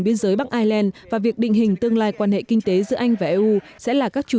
biên giới bắc ireland và việc định hình tương lai quan hệ kinh tế giữa anh và eu sẽ là các chủ